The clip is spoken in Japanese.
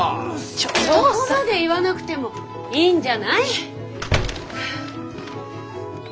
そこまで言わなくてもいいんじゃない？